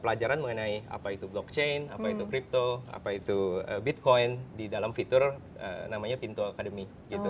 pelajaran mengenai apa itu blockchain apa itu crypto apa itu bitcoin di dalam fitur namanya pintu academy